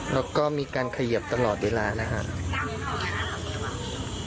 แล้วก็มีการเขยิบตลอดเวลานะครับ